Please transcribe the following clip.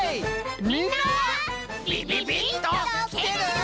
みんなビビビッときてる？